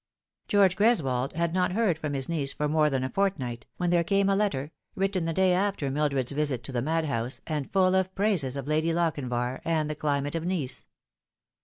George Greswold had not heard from his niece for more than a fortnight, when there came a letter, written the day after Mildred's visit to the madhouse, and full of praises of Lady Lochinvar and the climate of Nice.